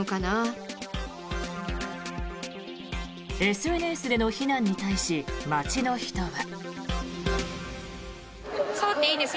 ＳＮＳでの非難に対し街の人は。